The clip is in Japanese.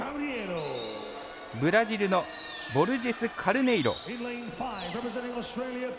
ブラジルのボルジェスカルネイロ。